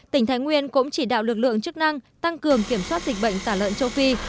tỉnh thái nguyên cũng chỉ đạo lực lượng chức năng tăng cường kiểm soát dịch bệnh tả lợn châu phi